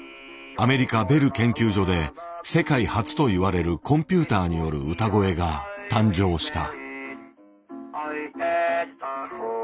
アメリカベル研究所で世界初といわれるコンピューターによる歌声が誕生した。